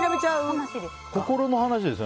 心の話ですか？